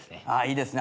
いいですね。